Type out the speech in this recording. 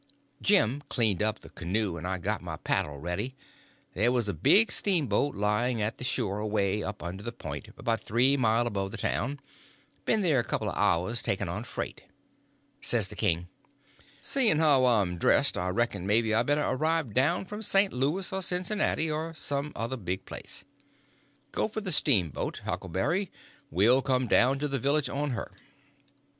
Jim cleaned up the canoe, and I got my paddle ready. There was a big steamboat laying at the shore away up under the point, about three mile above the town—been there a couple of hours, taking on freight. Says the king: "Seein' how I'm dressed, I reckon maybe I better arrive down from St. Louis or Cincinnati, or some other big place. Go for the steamboat, Huckleberry; we'll come down to the village on her."